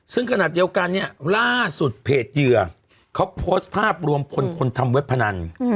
ซึ่งขนาดเดียวกันเนี่ยล่าสุดเพจเหยื่อเขาโพสต์ภาพรวมพลคนทำเว็บพนัน